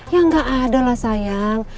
ya nggak ada lah sayang